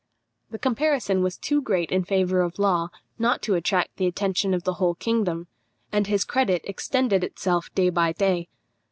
The comparison was too great in favour of Law not to attract the attention of the whole kingdom, and his credit extended itself day by day.